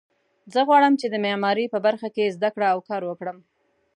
زه غواړم چې د معماري په برخه کې زده کړه او کار وکړم